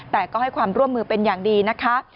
แต่ก็ให้ความร่วมมือเป็นอย่างดีนะคะ